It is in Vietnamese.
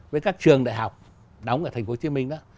với các trường đại học đóng ở tp hcm đó